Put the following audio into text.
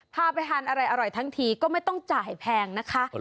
พาไปทานอะไรอร่อยทั้งทีก็ไม่ต้องจ่ายแพงนะคะ